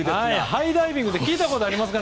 ハイダイビングって聞いたことありますか？